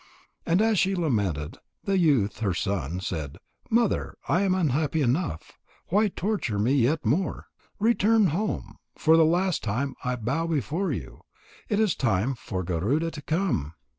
And as she lamented, the youth, her son, said: "Mother, I am unhappy enough. Why torture me yet more? Return home. For the last time I bow before you. It is time for Garuda to come."